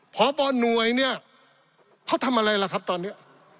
พบหน่วยเนี่ยเขาทำอะไรล่ะครับตอนนี้